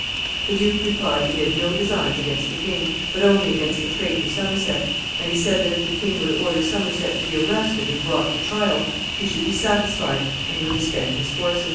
] The duke replied that he had no designs against the king, but only against the traitor Somerset, and he said that if the king would order Somerset to be arrested and brought to trial, he should be satisfied, and would disband his forces.